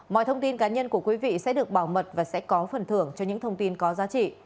mọi thông tin cá nhân của quý vị sẽ được bảo mật và sẽ có phần thưởng cho những thông tin có giá trị